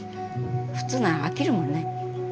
普通なら飽きるもんね。